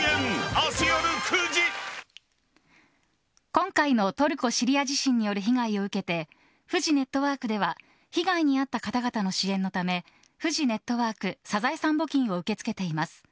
今回のトルコ、シリア地震による被害を受けてフジネットワークでは被害に遭った方々の支援のためフジネットワークサザエさん募金を受け付けています。